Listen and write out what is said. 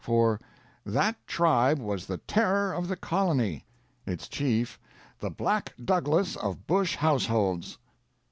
For "that tribe was the terror of the colony," its chief "the Black Douglas of Bush households."